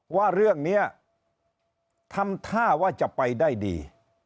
ว่าเรื่องนี้ทำท่าว่าจะไปได้ดี